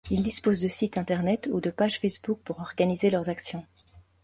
Ils disposent de sites internet ou de pages Facebook pour organiser leurs actions.